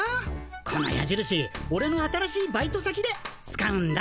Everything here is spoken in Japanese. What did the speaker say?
このやじるしオレの新しいバイト先で使うんだ。